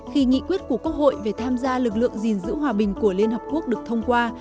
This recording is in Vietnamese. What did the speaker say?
khi nghị quyết của quốc hội về tham gia lực lượng gìn giữ hòa bình của liên hợp quốc được thông qua